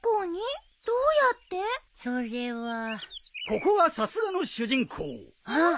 ・「ここはさすがの主人公！」ん！？